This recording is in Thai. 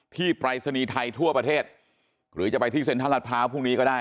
ปรายศนีย์ไทยทั่วประเทศหรือจะไปที่เซ็นทรัลรัฐพร้าวพรุ่งนี้ก็ได้